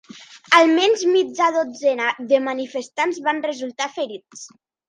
Almenys mitja dotzena de manifestants van resultar ferits